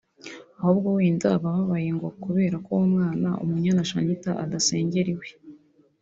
"Ahubwo wenda bababaye ngo kubera ko uwo mwana (Umunyana Shanitah) adasengera iwe